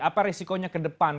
apa resikonya ke depan